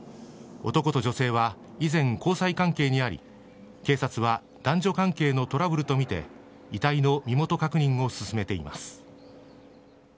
男と女性は、以前、交際関係にあり、警察は、男女関係のトラブルと見て、遺体の身元確認を進めています。